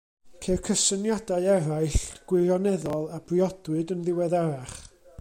Ceir cysyniadau eraill, gwirioneddol a briodwyd yn ddiweddarach.